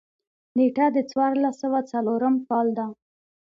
نېټه د څوارلس سوه څلورم کال ده.